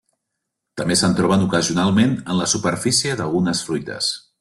També se'n troben ocasionalment en la superfície d'algunes fruites.